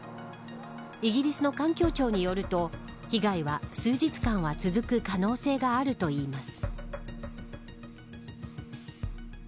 イギリスの環境庁によると被害は数日間は続く可能性があるといいます。